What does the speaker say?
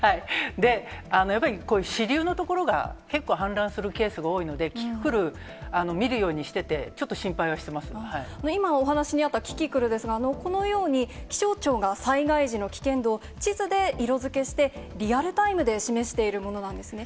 やっぱりこういう支流の所が結構氾濫するケースが多いので、キキクル見るようにしてて、今、お話にあったキキクルですが、このように、気象庁が災害時の危険度を地図で色づけして、リアルタイムで示しているものなんですね。